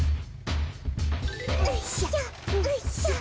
うんしょうんしょ。